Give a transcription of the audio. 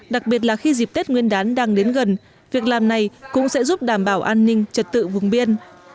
đặc biệt là khi dịp tết nguyên đán đang đến gần việc làm này cũng sẽ giúp đảm bảo an ninh trật tự vùng biên